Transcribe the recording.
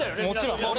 もちろん。